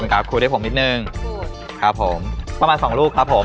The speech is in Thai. ครับคุยให้ผมนิดนึงครับผมประมาณสองลูกครับผม